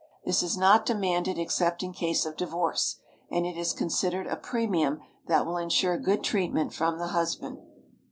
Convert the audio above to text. This is not demanded except in case of divorce, and it is considered a premium that will insure good treatment from the husband.